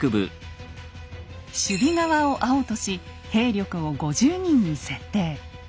守備側を青とし兵力を５０人に設定。